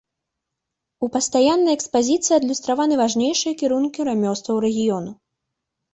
У пастаяннай экспазіцыі адлюстраваны важнейшыя кірункі рамёстваў рэгіёна.